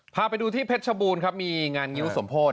พาไปดูที่เพชรชบูรณ์ครับมีงานงิ้วสมโพธิ